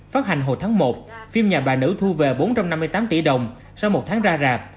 phát hành hồi tháng một phim nhà bà nữ thu về bốn trăm năm mươi tám tỷ đồng sau một tháng ra rạp